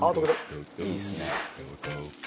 いいですね。